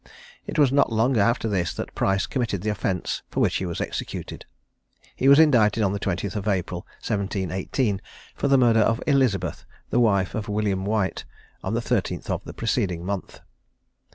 It was not long after this that Price committed the offence for which he was executed. He was indicted on the 20th April, 1718, for the murder of Elizabeth, the wife of William White, on the 13th of the preceding month.